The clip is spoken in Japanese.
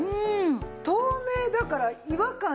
透明だから違和感なくね。